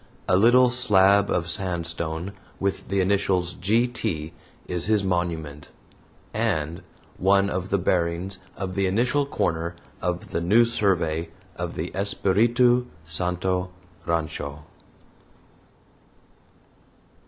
A little slab of sandstone with the initials "G. T." is his monument, and one of the bearings of the initial corner of the new survey of the "Espiritu Santo Rancho."